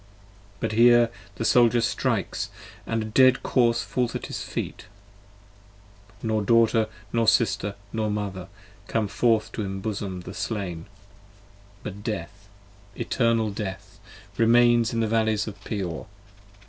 But here the Soldier strikes, & a dead corse falls at his feet, Nor Daughter nor Sister nor Mother come forth to embosom the Slain ! 45 But Death! Eternal Death! remains in the Valleys of Peor.